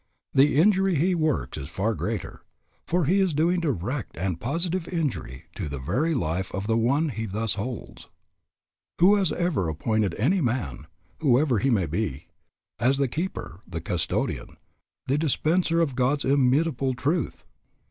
The injury he works is far greater, for he is doing direct and positive injury to the very life of the one he thus holds. Who has ever appointed any man, whoever he may be, as the keeper, the custodian, the dispenser of God's illimitable truth?